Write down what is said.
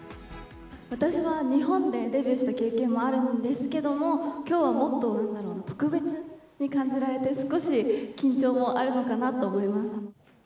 私は日本でデビューした経験もあるんですけども、きょうはもっと特別に感じられて、少し緊張もあるのかなと思います。